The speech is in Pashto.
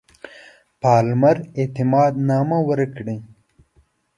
پالمر اعتماد نامه ورکړي.